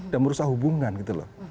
dan merusak hubungan gitu loh